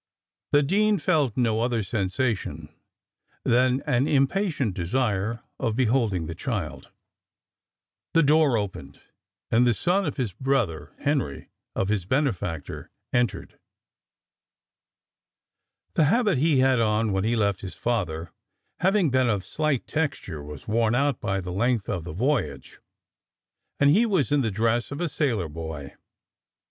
The dean felt no other sensation than an impatient desire of beholding the child. The door opened and the son of his brother Henry, of his benefactor, entered. The habit he had on when he left his father, having been of slight texture, was worn out by the length of the voyage, and he was in the dress of a sailor boy.